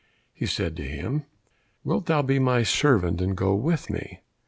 He said to him, "Wilt thou be my servant and go with me?"